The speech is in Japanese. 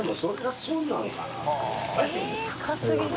深すぎる。